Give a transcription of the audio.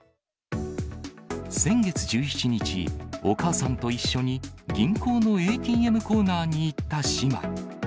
先月１７日、お母さんと一緒に、銀行のＡＴＭコーナーに行った姉妹。